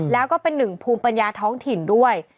แล้วก็เป็นหนึ่งภูมิปัญญาท้องถิ่นด้วย